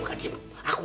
oh iya dia andasinkan